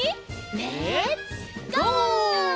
レッツゴー！